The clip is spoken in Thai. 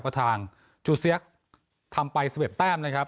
ก็ทางจูเซี๊ยคทำไปสเบ็ดแต้มนะครับ